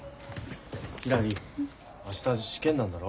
ひらり明日試験なんだろ？